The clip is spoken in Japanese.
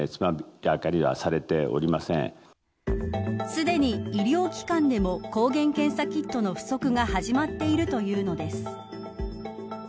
すでに医療機関でも抗原検査キットの不足が始まっているというのです。